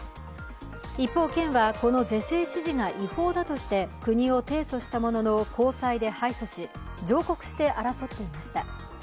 一方、県はこの是正指示が違法だとして国を提訴したものの高裁で敗訴し上告して争っていました。